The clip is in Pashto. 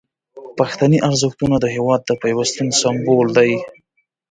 پښتني ارزښتونه د هیواد د پیوستون سمبول دي.